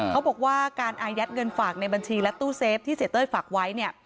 เขาบอกว่าการอายัดเงินฝากในบัญชีและตู้เซฟที่เสียเต้ยฝากไว้เนี่ย